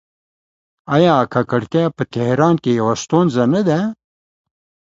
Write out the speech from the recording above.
آیا ککړتیا په تهران کې یوه ستونزه نه ده؟